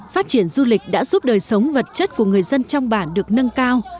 phát triển du lịch đã giúp đời sống vật chất của người dân trong bản được nâng cao